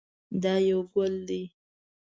دا یو ګل دی.